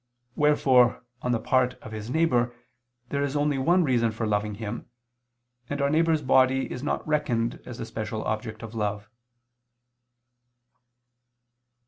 Wherefore, on the part of his neighbor, there is only one reason for loving him; and our neighbor's body is not reckoned as a special object of love.